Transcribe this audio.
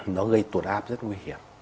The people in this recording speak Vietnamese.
nó gây tuột áp rất nguy hiểm